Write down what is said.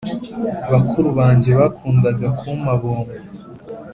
bakuru bange bakundaga kumpa bombo